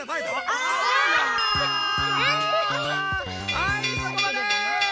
はいそこまで！